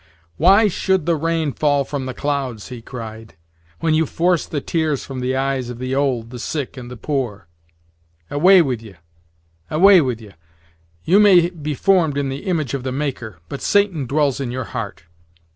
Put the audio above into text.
"Why should the rain fall from the clouds," he cried, "when you force the tears from the eyes of the old, the sick, and the poor! Away with ye away with ye! you may be formed in the image of the Maker, but Satan dwells in your heart.